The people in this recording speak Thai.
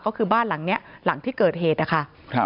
ก็คือบ้านหลังนี้หลังที่เกิดเหตุนะคะ